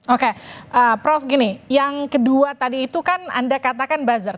oke prof gini yang kedua tadi itu kan anda katakan buzzer